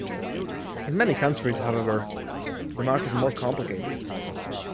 In other countries, however, the mark is more complicated.